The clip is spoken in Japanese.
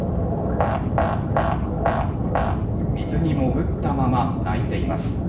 水に潜ったまま鳴いています。